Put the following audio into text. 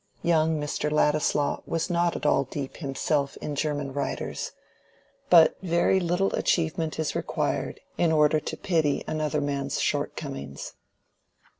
Young Mr. Ladislaw was not at all deep himself in German writers; but very little achievement is required in order to pity another man's shortcomings.